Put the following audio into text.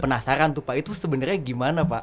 penasaran tuh pak itu sebenarnya gimana pak